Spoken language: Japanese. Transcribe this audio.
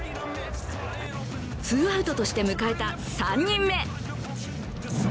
ツーアウトとして迎えた３人目。